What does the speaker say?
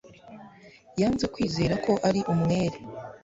Yanze kwizera ko ari umwere